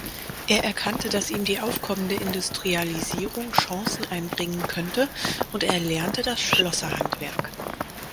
Er erkannte, dass ihm die aufkommende Industrialisierung Chancen einbringen könnte und erlernte das Schlosserhandwerk.